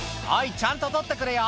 ちゃんと取ってくれよ。